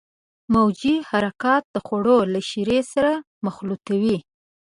موجي حرکات د خوړو له شیرې سره مخلوطوي.